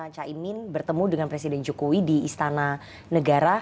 caimin bertemu dengan presiden jokowi di istana negara